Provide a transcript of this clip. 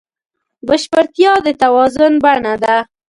بشپړتیا د توازن بڼه ده.